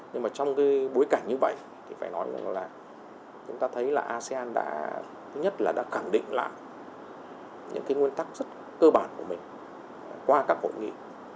nhưng mà trong cái bối cảnh như vậy thì phải nói rằng là chúng ta thấy là asean đã thứ nhất là đã khẳng định lại những cái nguyên tắc rất cơ bản của mình qua các hội nghị